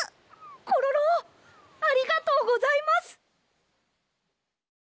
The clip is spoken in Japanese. コロロありがとうございます。